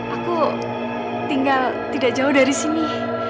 aku tinggal tidak jauh dari sini